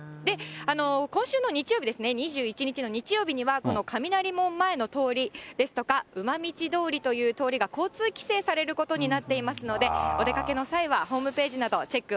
今週の日曜日ですね、２１日の日曜日には、この雷門前の通りですとか、うまみちどおりという道が交通規制されることになっていますので、お出かけの際はホームページなどチ